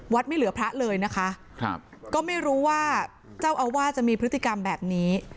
ไม่เหลือพระเลยนะคะครับก็ไม่รู้ว่าเจ้าอาวาสจะมีพฤติกรรมแบบนี้